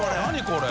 これ。